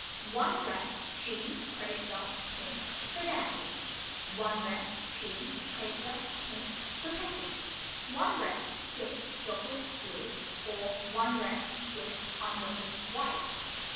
1 Dress, chine, crepe de, pink, for dancing. 1 Dress, chine, crepe de, pink, for petting. 1 Dress, Swiss, Dotted, blue, or 1 Dress, Swiss, undotted, white.